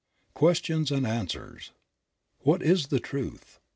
71 QUESTIONS AND ANSWERS. What is the Truth?